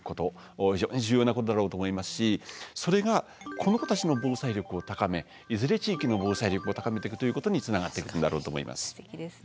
非常に重要なことだろうと思いますしそれがこの子たちの防災力を高めいずれ地域の防災力を高めていくということにつながっていくんだろうと思います。